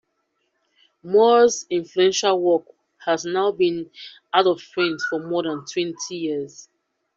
Moore's influential work has now been out-of-print for more than twenty years.